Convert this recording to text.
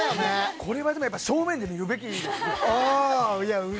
これは正面で見るべきですよ。